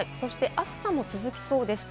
暑さも続きそうです。